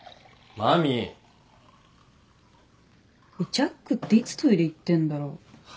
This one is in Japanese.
ジャックっていつトイレ行ってんだろう？は？